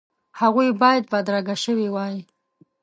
هغوی باید بدرګه شوي وای.